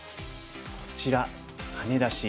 こちらハネ出し。